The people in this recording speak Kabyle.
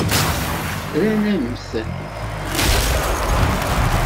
Rran-am-t.